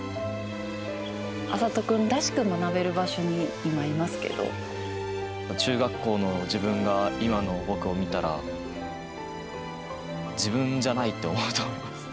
暁里君らしく学べる場所に今、中学校の自分が今の僕を見たら、自分じゃないって思うと思います。